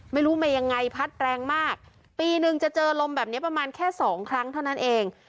ไม่รู้มายังไงพัดแรงมากปีหนึ่งจะเจอลมแบบนี้ประมาณแค่สองครั้งเท่านั้นเอง